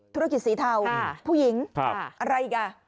ธุรกิจสีเทาผู้หญิงอะไรอีกอ่ะ